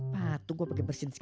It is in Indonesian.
patung gua pake bersih segala nek